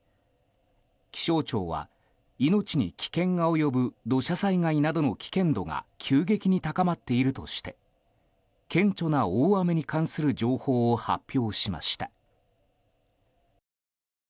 気象庁は、命に危険が及ぶ土砂災害などの危険度が急激に高まっているとして顕著な大雨に関する情報を発表しました。